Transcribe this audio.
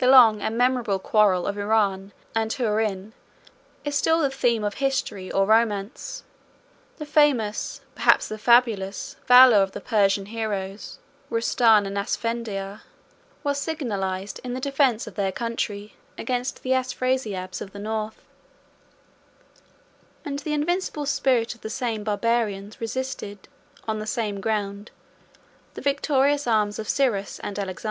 The long and memorable quarrel of Iran and Touran is still the theme of history or romance: the famous, perhaps the fabulous, valor of the Persian heroes, Rustan and Asfendiar, was signalized, in the defence of their country, against the Afrasiabs of the North; 20 and the invincible spirit of the same Barbarians resisted, on the same ground, the victorious arms of Cyrus and Alexander.